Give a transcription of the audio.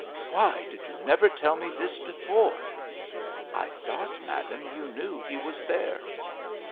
"Why did you never tell me this before?" "I thought, madame, you knew he was there."